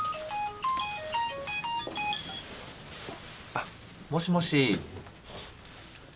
あもしもし。